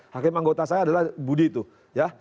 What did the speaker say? hakim anggota saya adalah budi itu ya